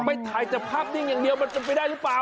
ไปถ่ายจากภาพนิ่งอย่างเดียวมันเป็นไปได้หรือเปล่า